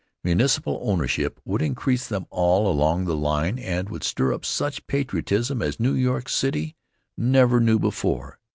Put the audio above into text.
Municipal ownership would increase them all along the line and would stir up such patriotism as New York City never knew before.